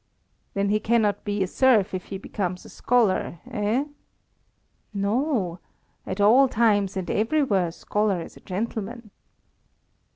"Then he cannot be a serf if he becomes a scholar, eh?" "No. At all times and everywhere a scholar is a gentleman."